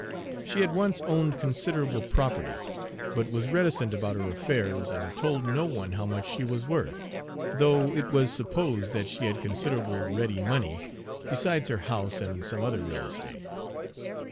She had once owned considerable property, but was reticent about her affairs, and told no one how much she was worth, though it was supposed that she had considerable ready money, besides her house and some other real estate.